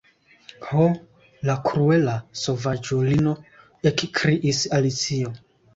"Ho, la kruela sovaĝulino," ekkriis Alicio.